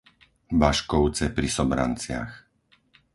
Baškovce pri Sobranciach